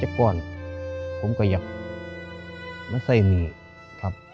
ว่าอุกของผู้เป็นพ่อและแม่นะครับ